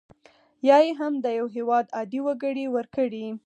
یا یې هم د یو هیواد عادي وګړي ورکړي.